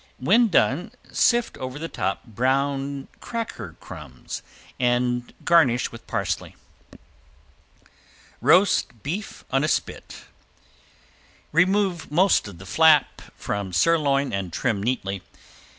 When done sift over the top browned cracker crumbs and garnish with parsley. ~ROAST BEEF ON SPIT~ Remove most of the flap from sirloin and trim neatly.